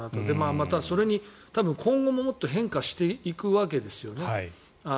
またそれに多分今後も、もっと変化していくわけですよね。